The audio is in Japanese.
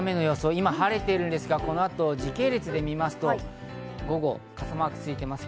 今晴れていますが、この後時系列でみますと、午後は傘マークがついています。